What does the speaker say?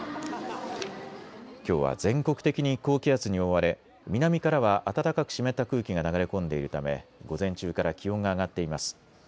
きょうは全国的に高気圧に覆われ南からは暖かく湿った空気が流れ込んでいるため午前中から気温が上がっています。